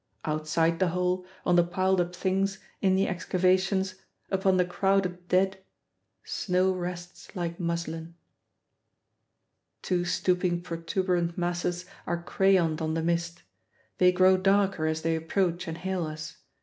Outside the hole, on the piled up things, in the excavations, upon the crowded dead, snow rests like muslin. Two stooping protuberant masses are crayoned on the mist; they grow darker as they approach and hail us.